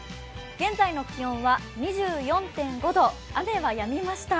現在の気温は２４．５度、雨はやみました。